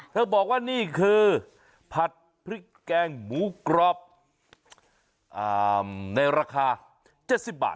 บอกว่านี่คือผัดพริกแกงหมูกรอบในราคา๗๐บาท